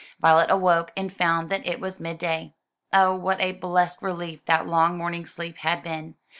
Violet awoke, and found that it was mid day. Oh, what a blessed relief that long morning sleep had been.